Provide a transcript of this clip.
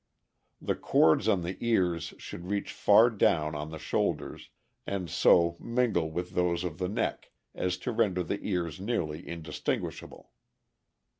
The cords on the ears should reach far down on the shoulders, and so mingle with those of the neck as to render the ears nearly indistinguishable.